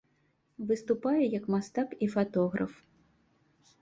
Выступае як мастак і фатограф.